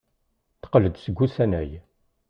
Teqqel-d seg usanay.